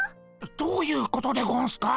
どういうことでゴンスか？